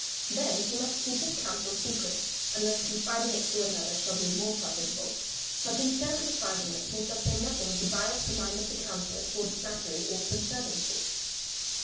Then he must keep his counsel secret, unless confiding it to another shall be more profitable; but, in so confiding it, he shall say nothing to bias the mind of the counsellor toward flattery or subserviency.